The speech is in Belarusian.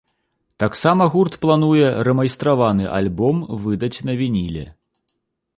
Таксама гурт плануе рэмайстраваны альбом выдаць на вініле.